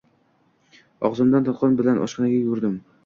Og‘zimda tolqon bilan oshxonaga yugurdim.